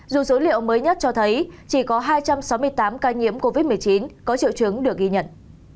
dù số liệu mới nhất cho thấy chỉ có hai trăm sáu mươi tám ca nhiễm covid một mươi chín có triệu chứng được ghi nhận